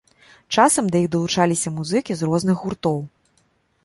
Часам да іх далучаліся музыкі з розных гуртоў.